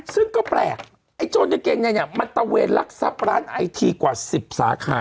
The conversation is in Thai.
ซึ่งก็แปลกไอ้โจรกางเกงในเนี่ยมันตะเวนลักทรัพย์ร้านไอทีกว่า๑๐สาขา